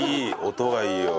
音がいいよ。